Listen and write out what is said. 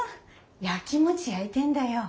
やきもち焼いてんだよ。